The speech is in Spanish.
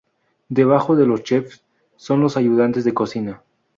Debajo de los chefs son los ayudantes de cocina.